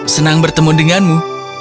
senang bertemu denganmu